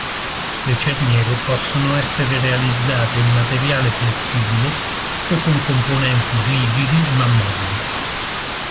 Le cerniere possono essere realizzate in materiale flessibile o con componenti rigidi ma mobili.